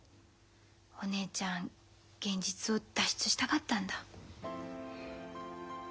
お姉ちゃん現実を脱出したかったんだ。